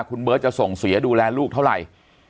คุณเบิร์ตจะส่งเสียดูแลลูกเท่าไหร่